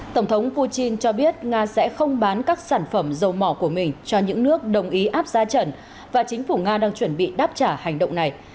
tổng thống putin cho biết nga sẽ không bán các sản phẩm dầu mỏ của mình cho những nước đồng ý áp giá trần và chính phủ nga đang chuẩn bị đáp trả hành động này